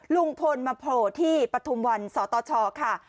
ลุงพลมาโผพธิปฐมวันสตชค่ะ